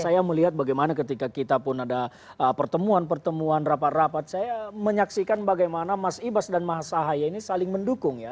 saya melihat bagaimana ketika kita pun ada pertemuan pertemuan rapat rapat saya menyaksikan bagaimana mas ibas dan mas ahaye ini saling mendukung ya